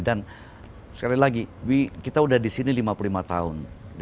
dan sekali lagi kita udah di sini lima puluh lima tahun